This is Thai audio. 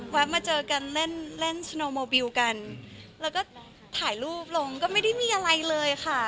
มาเจอกันเล่นเล่นชโนโมบิลกันแล้วก็ถ่ายรูปลงก็ไม่ได้มีอะไรเลยค่ะ